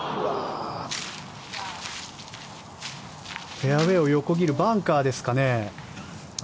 フェアウェーを横切るバンカーですかね。